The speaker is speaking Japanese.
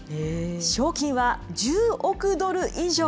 賞金は１０億ドル以上。